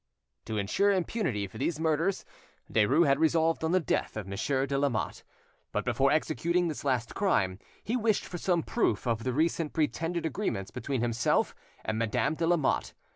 To insure impunity for these murders, Derues had resolved on the death of Monsieur de Lamotte; but before executing this last crime, he wished for some proof of the recent pretended agreements between himself and Madame de Lamotte.